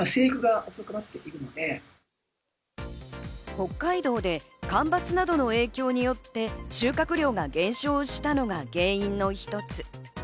北海道で干ばつなどの影響によって、収穫量が減少したのが原因の一つ。